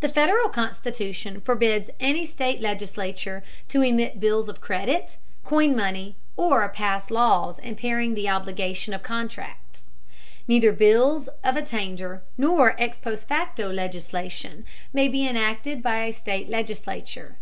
The Federal Constitution forbids any state legislature to emit bills of credit, coin money, or pass laws impairing the obligation of contracts. Neither bills of attainder nor ex post facto legislation may be enacted by a state legislature.